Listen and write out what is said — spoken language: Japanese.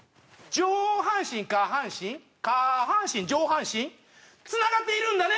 上半身下半身下半身上半身つながっているんだね！